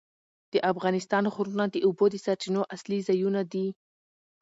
د افغانستان غرونه د اوبو د سرچینو اصلي ځایونه دي.